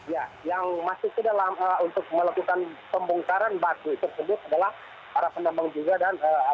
ya yang masih sudah lama untuk melakukan pembongkaran batu tersebut adalah para penambang juga